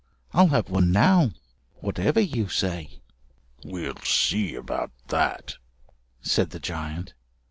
I'll have one now, whatever you say." "We'll see about that," said the giant.